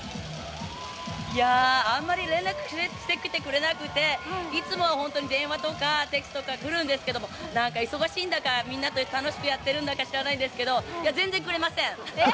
あんまり連絡してきてくれなくていつもは本当に電話とか来るんですけど、なんか忙しいんだかみんなと楽しくやってるんだか分からないんですけど全然くれません！